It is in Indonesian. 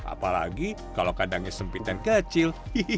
apalagi kalau kadangnya sempit dan kecil